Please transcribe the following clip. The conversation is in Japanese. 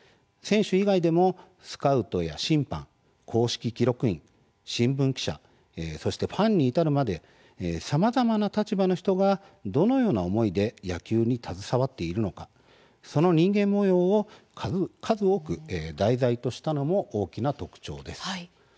選手以外でもスカウトや審判公式記録員、新聞記者そして、ファンに至るまでさまざまな立場の人がどのような思いで野球に携わっているのかその人間もようを数多く題材としたのも大きな特徴です。